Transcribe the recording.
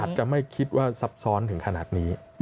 อาจจะไม่คิดว่าซับซ้อนถึงขนาดนี้